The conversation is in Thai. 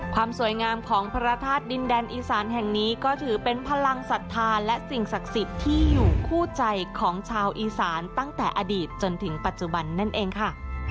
ความสวยงามของพระธาตุดินแดนอีสานแห่งนี้ก็ถือเป็นพลังศรัทธาและสิ่งศักดิ์สิทธิ์ที่อยู่คู่ใจของชาวอีสานตั้งแต่อดีตจนถึงปัจจุบันนั่นเองค่ะ